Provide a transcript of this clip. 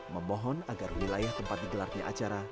memohon agar wilayah tempat digelarnya acara